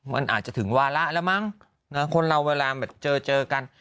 มันอาจจะถึงวาระแล้วมั้งคนเราเวลาแบบเจอเจอกัน